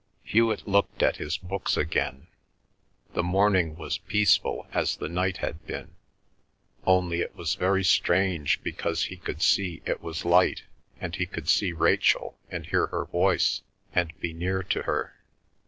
Hewet looked at his books again. The morning was peaceful as the night had been, only it was very strange because he could see it was light, and he could see Rachel and hear her voice and be near to her.